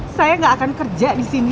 saya gak akan kerja di sini